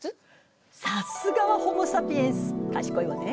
さすがはホモ・サピエンス賢いわね。